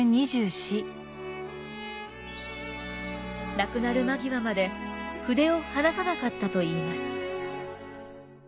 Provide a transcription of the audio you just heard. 亡くなる間際まで筆を離さなかったといいます。